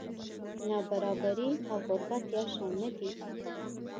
نابرابري او غربت یو شان نه دي.